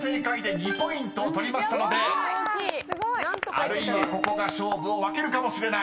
［あるいはここが勝負を分けるかもしれない！］